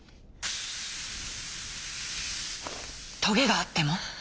「トゲがあっても？」。